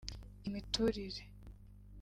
imiturire